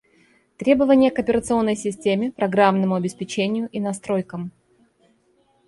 Требования к операционной системе, программному обеспечению и настройкам